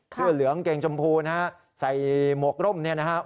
เสื้อเหลืองเกงชมพูนะฮะใส่หมวกร่มเนี่ยนะครับ